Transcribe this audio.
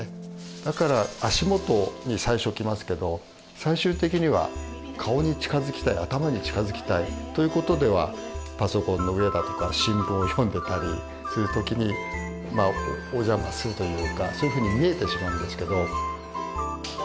だから足元に最初来ますけど最終的には顔に近づきたい頭に近づきたいということではパソコンの上だとか新聞を読んでたりする時にお邪魔するというかそういうふうに見えてしまうんですけど。